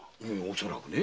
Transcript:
恐らくね。